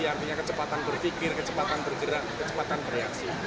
artinya kecepatan berpikir kecepatan bergerak kecepatan bereaksi